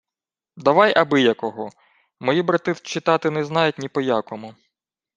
— Давай абиякого. Мої брати читати не знають ні по якому.